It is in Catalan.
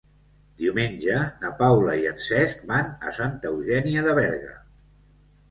Diumenge na Paula i en Cesc van a Santa Eugènia de Berga.